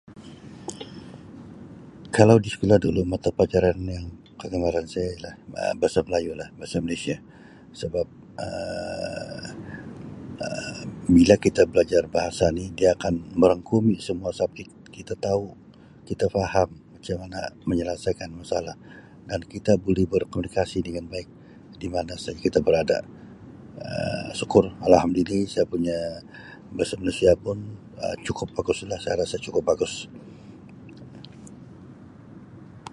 Kalau di sekolah dulu mata pelajaran yang kegemaran saya ialah ba-bahasa Melayu lah bahasa Malaysia sebab Um bila kita belajar bahasa ni dia akan merangkumi semua subjek kita tau, kita faham macam mana menyelasaikan masalah dan kita buli berkomunikasi dengan baik di mana saja kita berada Um syukur Alhamdulillah saya punya bahasa Malaysia pun Um cukup baguslah saya rasa cukup bagus.